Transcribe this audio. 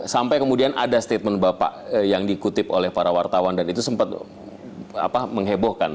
sampai kemudian ada statement bapak yang dikutip oleh para wartawan dan itu sempat menghebohkan